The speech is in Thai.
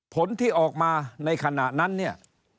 ผลที่ออกมาในขณะนั้นเนี่ย